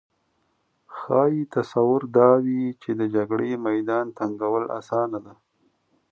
ښايي تصور دا وي چې د جګړې میدان تنګول اسانه ده